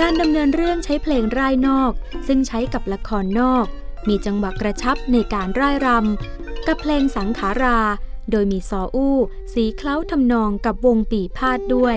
การดำเนินเรื่องใช้เพลงร่ายนอกซึ่งใช้กับละครนอกมีจังหวะกระชับในการร่ายรำกับเพลงสังขาราโดยมีซออู้สีเคล้าทำนองกับวงปีภาษด้วย